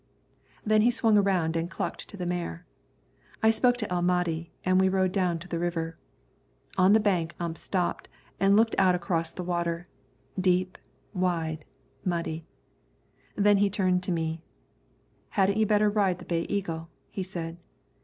Then he swung around and clucked to the mare. I spoke to El Mahdi and we rode down toward the river. On the bank Ump stopped and looked out across the water, deep, wide, muddy. Then he turned to me. "Hadn't you better ride the Bay Eagle?" he said.